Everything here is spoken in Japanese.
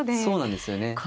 そうなんですよね。